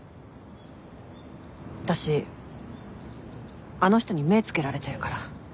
私あの人に目付けられてるから。